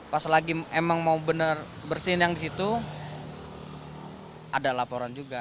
pas lagi emang mau bener bersihin yang di situ ada laporan juga